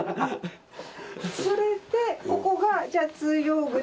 それでここがじゃ通用口